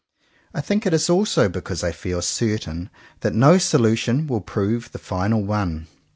I think it is also because I feel certain that no solu tion will prove the final one.